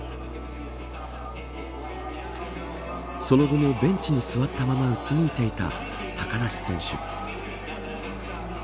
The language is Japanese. その後もベンチに座ったままうつむいていた高梨選手。